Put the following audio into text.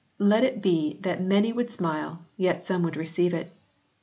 Let it be that many would smile, yet some would receive it.